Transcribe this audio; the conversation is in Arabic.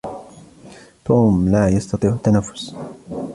توم لا يستطيع التنفس.